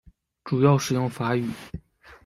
主要使用法语。